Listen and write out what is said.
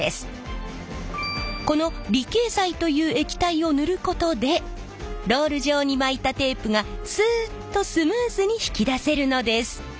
この離型剤という液体を塗ることでロール状に巻いたテープがすっとスムーズに引き出せるのです。